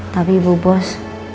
tapi bu bos